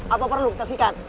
apa perlu kita sikat